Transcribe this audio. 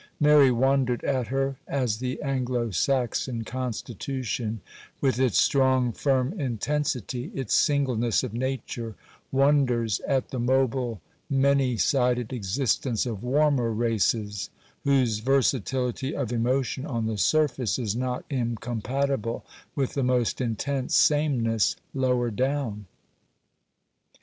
Mary wondered at her, as the Anglo Saxon constitution, with its strong, firm intensity, its singleness of nature, wonders at the mobile, many sided existence of warmer races, whose versatility of emotion on the surface is not incompatible with the most intense sameness lower down.